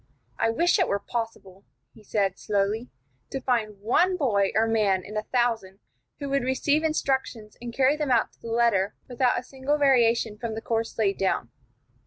"I wish it were possible," he said, slowly, "to find one boy or man in a thousand who would receive instructions and carry them out to the letter without a single variation from the course laid down.